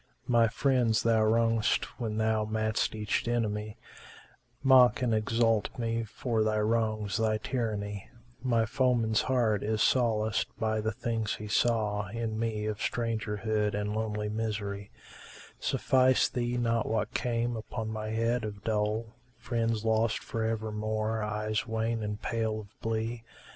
My friends thou wrongedst when thou madst each enemy * Mock and exult me for thy wrongs, thy tyranny: My foeman's heart is solaced by the things he saw * In me, of strangerhood and lonely misery: Suffice thee not what came upon my head of dole, * Friends lost for evermore, eyes wan and pale of blee?